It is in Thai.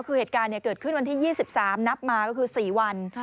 คือเหตุการณ์เกิดขึ้นวันที่๒๓นับมาก็คือ๔วัน